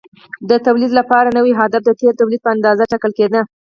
د تولید لپاره نوی هدف د تېر تولید په اندازه ټاکل کېده.